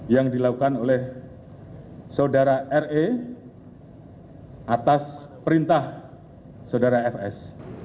yang dilakukan oleh saudara re atas perintah saudara fs